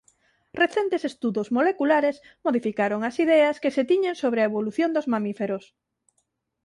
Recentes estudos moleculares modificaron as ideas que se tiñan sobre a evolución dos mamíferos.